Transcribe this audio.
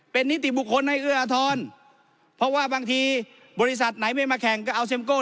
เป็นนิติบุคคลให้เอื้ออทรเพราะว่าบางทีบริษัทไหนไม่มาแข่งก็เอาเซ็มโก้